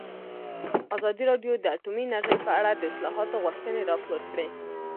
ازادي راډیو د اټومي انرژي په اړه د اصلاحاتو غوښتنې راپور کړې.